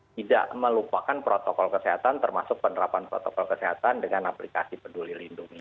tidak melupakan protokol kesehatan termasuk penerapan protokol kesehatan dengan aplikasi peduli lindungi